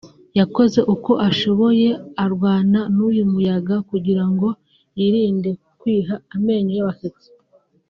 yakoze uko ashoboye arwana n’uyu muyaga kugira ngo yirinde kwiha amenyo y’abasetsi